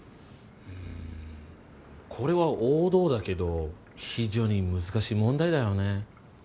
うんこれは王道だけど非常に難しい問題だよね。